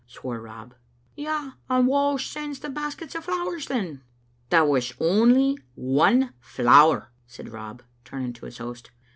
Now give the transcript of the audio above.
swore Rob. "Yea, and wha sends the baskets o' flowers, then?" "There was only one flower," said Rob, turning to his host.